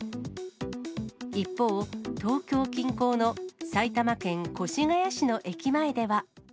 一方、東京近郊の埼玉県越谷市の駅前では。